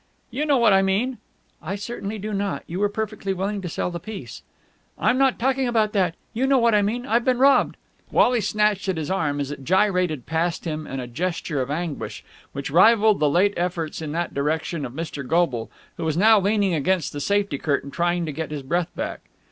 "You know what I mean!" "I certainly do not! You were perfectly willing to sell the piece." "I'm not talking about that! You know what I mean! I've been robbed!" Wally snatched at his arm as it gyrated past him in a gesture of anguish which rivalled the late efforts in that direction of Mr. Goble, who was now leaning against the safety curtain trying to get his breath back.